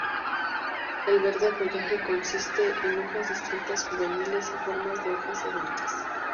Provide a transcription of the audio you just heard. El verde follaje consiste en hojas distintivas juveniles y formas de hojas adultas.